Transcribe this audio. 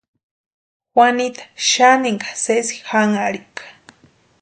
Juanita xaninha sesi janharhika.